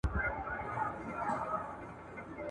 د هرات لرغونی ښار !.